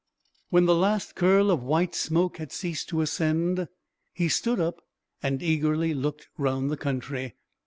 When the last curl of white smoke had ceased to ascend, he stood up and eagerly looked round the country.